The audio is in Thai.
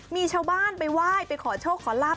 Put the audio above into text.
มีชาวบ้านไปไหว้ไปขอโชคขอลาบ